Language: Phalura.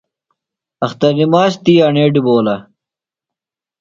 اختر نِماس تی ہݨے ڈِبولہ۔